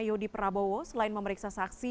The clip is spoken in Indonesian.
yodi prabowo selain memeriksa saksi